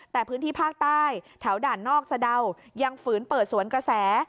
แต่พื้นที่ภาคใต้แถวด่านนอกสะดาวยังฝืนเปิดสวนกระแส